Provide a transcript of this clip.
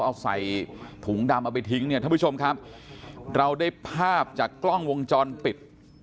เอาใส่ถุงดำเอาไปทิ้งเนี่ยท่านผู้ชมครับเราได้ภาพจากกล้องวงจรปิด